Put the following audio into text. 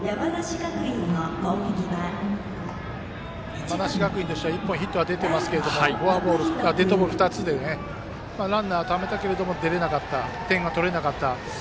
山梨学院としては１本、ヒットは出てますけれどもデッドボール２つでランナーをためたけれども点が取れなかった。